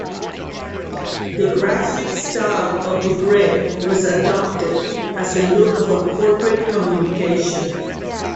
The graphic style of the grid was adopted as a look for corporate communication.